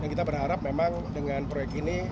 kita berharap memang dengan proyek ini